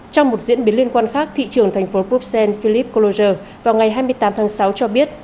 trong một diễn biến liên quan khác thị trưởng thành phố bruxelles philippe collor vào ngày hai mươi tám tháng sáu cho biết